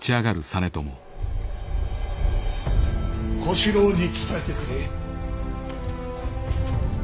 小四郎に伝えてくれ。